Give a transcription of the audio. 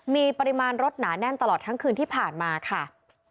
มีปริมาณรถหนาแน่นตลอดทั้งคืนที่ผ่านมาค่ะ